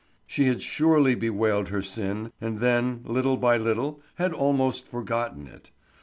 She had surely bewailed her sin, and then, little by little, had almost forgotten it.